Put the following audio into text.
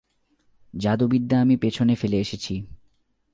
জাদুবিদ্যা আমি পেছনে ফেলে এসেছি।